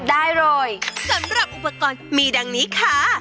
ได้เลยสำหรับอุปกรณ์มีดังนี้ค่ะ